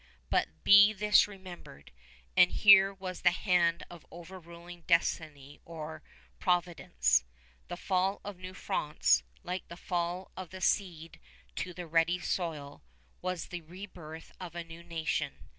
But be this remembered, and here was the hand of overruling Destiny or Providence, the fall of New France, like the fall of the seed to the ready soil, was the rebirth of a new nation.